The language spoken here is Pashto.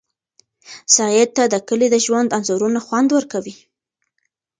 سعید ته د کلي د ژوند انځورونه خوند ورکوي.